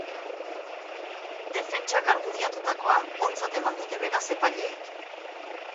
Defentsak argudiatutakoa ontzat eman dute, beraz, epaileek.